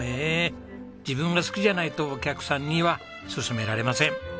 自分が好きじゃないとお客さんには勧められません。